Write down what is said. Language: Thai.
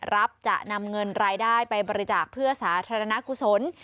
จะนำเงินรายได้ไปบริจาคเพื่อสาธารณกุศล